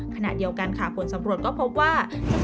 ขณะเดียวกันค่ะผลสำรวจก็พบว่า